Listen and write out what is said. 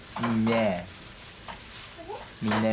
いいね。